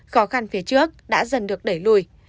khó khăn phía trước đã dần được đẩy lùi